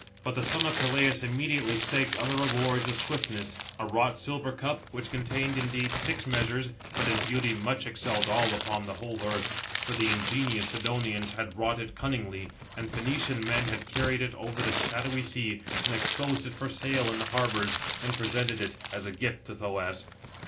But the son of Peleus immediately staked other rewards of swiftness, a wrought silver cup, which contained, indeed, six measures, but in beauty much excelled [all] upon the whole earth, for the ingenious Sidonians had wrought it cunningly, and Phœnician men had carried it over the shadowy sea, and exposed it for sale in the harbours, and presented it as a gift to Thoas.